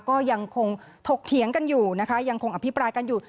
ก็ยังคงถกเถียงกันอยู่นะคะยังคงอภิปรายกันอยู่